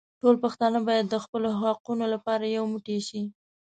ټول پښتانه بايد د خپلو حقونو لپاره يو موټي شي.